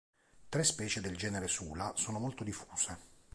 Tre specie del genere "Sula" sono molto diffuse.